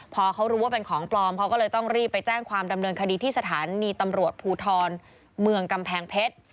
พอเขารู้ว่าเป็นของปลอมเขาก็เลยต้องรีบไปแจ้งความดำเนินคดีที่สถานีตำรวจภูทรเมืองกำแพงเพชร